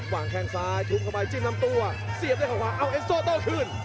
วางแข่งซ้ายทุบเข้าไปจิ้มน้ำตัวเสียบได้ขวางเอาเอ็นโซเต้าคืน